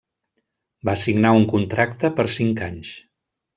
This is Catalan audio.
Va signar un contracte per cinc anys.